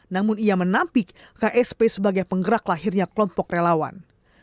namun ia menampik ksp sebagai penggerak lahirnya kelompok relawan